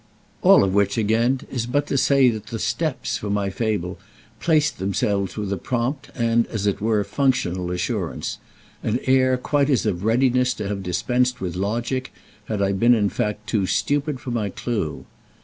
All of which, again, is but to say that the steps, for my fable, placed themselves with a prompt and, as it were, functional assurance—an air quite as of readiness to have dispensed with logic had I been in fact too stupid for my clue.